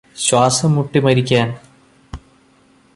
ശ്വാസംമുട്ടിമരിക്കാന്